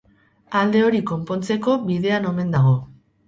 Alde hori konpontzeko bidean omen dago.